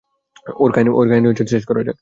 ওর কাহিনী শেষ করা যাক।